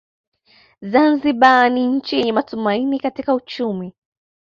Zanzibar ni nchi yenye matumaini katika uchumi